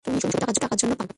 তুমি শুধু টাকার জন্য পাগল।